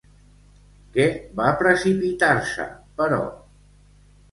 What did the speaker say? Què va precipitar-se, però?